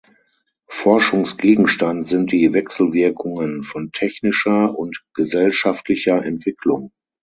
Forschungsgegenstand sind die Wechselwirkungen von technischer und gesellschaftlicher Entwicklung.